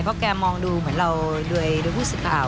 เพราะแกมองดูเหมือนเราโดยผู้สื่อข่าว